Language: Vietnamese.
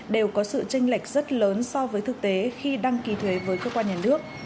đều có sự tranh lệch rất lớn so với thực tế khi đăng ký thuế với cơ quan nhà nước